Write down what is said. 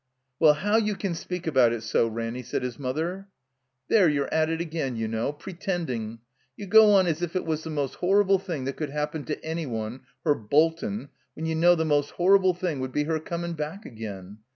"Well, how you can speak about it so, Ranny," said his mother. "There you're at it again, you know — ^pretendin'. You go on as if it was the most horrible thing that could happen to any one, her boltin', when you know the most horrible thing would be her comin* back again.